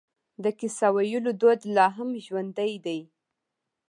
د کیسه ویلو دود لا هم ژوندی دی.